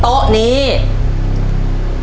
ตัวเลือกใดไม่ใช่ลักษณะของตัวการ์ตูนแมวบนตอน